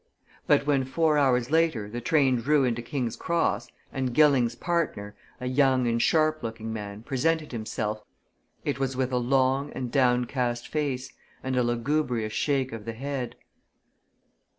But when four hours later the train drew into King's Cross and Gilling's partner, a young and sharp looking man, presented himself, it was with a long and downcast face and a lugubrious shake of the head.